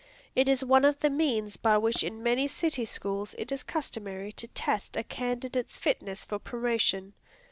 It is one of the means by which in many city schools it is customary to test a candidate's fitness for promotion.